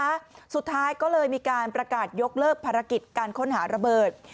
สุดท้ายก็เลยมีการประกาศยกเลิกภารกิจการค้นหาระเบิด